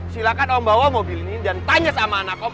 silahkan om bawa mobil ini dan tanya sama anak om